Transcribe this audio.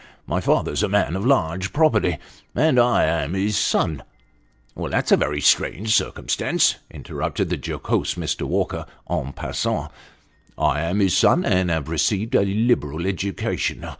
My father's a man of large property, and I am his son." " That's a very strange circumstance !" interrupted the jocose Mr. Walker, en passant. " I am his son, and have received a liberal education.